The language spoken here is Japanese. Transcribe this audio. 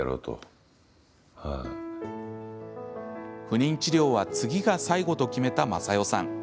不妊治療は次が最後と決めた雅代さん。